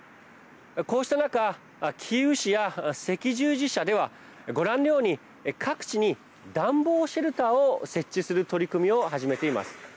こうした中、キーウ市や赤十字社では、ご覧のように各地に暖房シェルターを設置する取り組みを始めています。